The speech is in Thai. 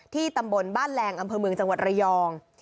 ตำบลบ้านแรงอำเภอเมืองจังหวัดระยอง